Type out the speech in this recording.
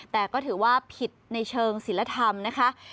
แต่ก็ถือว่าผิดในเชิงศิลธรรมนะคะ